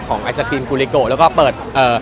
ไอศครีมกูลิโกแล้วก็เปิดเอ่อ